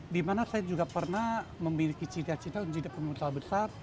di mana saya juga pernah memiliki cita cita menjadi pemutus besar